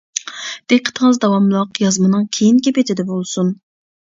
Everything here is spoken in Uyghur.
دىققىتىڭىز داۋاملىق يازمىنىڭ كېيىنكى بېتىدە بولسۇن!